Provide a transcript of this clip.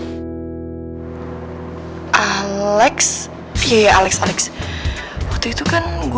halo halo alex ini gua reva masih inget kan yang waktu itu lo bantu bayarin